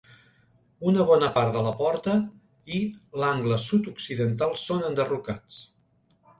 Una bona part de la porta i l'angle sud- occidental són enderrocats.